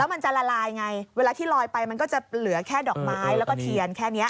มันจะละลายไงเวลาที่ลอยไปมันก็จะเหลือแค่ดอกไม้แล้วก็เทียนแค่นี้